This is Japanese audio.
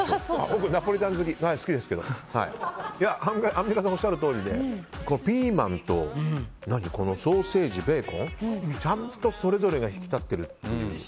僕、ナポリタン好きですけどアンミカさんがおっしゃるとおりで、ピーマンとソーセージ、ベーコンちゃんとそれぞれ引き立ってる。